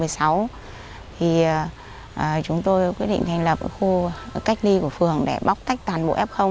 sau đó thì chúng tôi quyết định thành lập cái khu cách ly của phường để bóc tách toàn bộ f